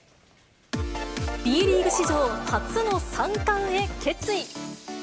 Ｂリーグ史上初の３冠へ決意。